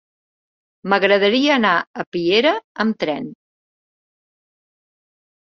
M'agradaria anar a Piera amb tren.